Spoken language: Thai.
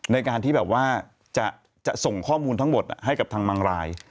ในการที่แบบว่าจะส่งข้อมูลทั้งหมดให้กับทางบางราย